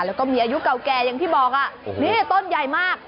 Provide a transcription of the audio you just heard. แล้วก็มีอายุเก่าแก่อย่างที่บอกนี่ต้นใหญ่มาก